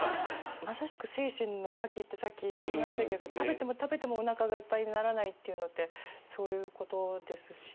まさしく精神の餓鬼ってさっき言いましたけど食べても食べてもおなかがいっぱいにならないっていうのってそういうことですし。